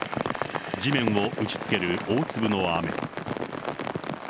地面を打ち付ける大粒の雨。